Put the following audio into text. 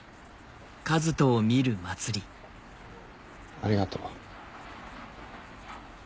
ありがとう。